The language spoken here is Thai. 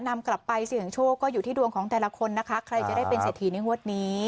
นำกลับไปเสี่ยงโชคก็อยู่ที่ดวงของแต่ละคนนะคะใครจะได้เป็นเศรษฐีในงวดนี้